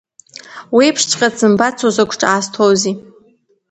Уеиԥшҵәҟьа дсымбац, узакә ҿаасҭозеи!